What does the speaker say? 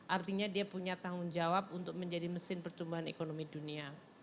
artinya dia punya tanggung jawab untuk menjadi mesin pertumbuhan ekonomi dunia